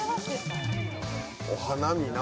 お花見な。